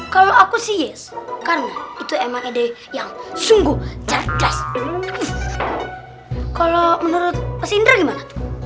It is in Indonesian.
kalau aku sih yes kan itu emang ide yang sungguh cacas kalau menurut mas indra gimana